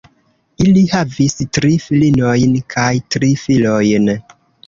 Ili havis tri filinojn kaj tri filojn.